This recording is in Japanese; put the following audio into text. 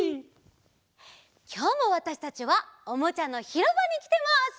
きょうもわたしたちはおもちゃのひろばにきてます。